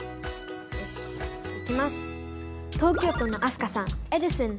よしいきます。